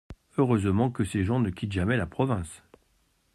Heureusement que ces gens ne quittent jamais la province !